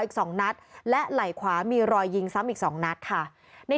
อีกสองนัดและไหล่ขวามีรอยยิงซ้ำอีกสองนัดค่ะใน